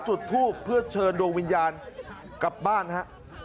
จุดทูปเพื่อเชิญดวงวิญญาณกลับบ้านฮะ